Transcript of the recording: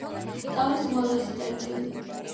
ტავრის უმაღლესი წერტილი.